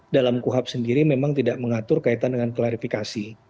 dalam kuhab sendiri memang tidak mengatur kaitan dengan klarifikasi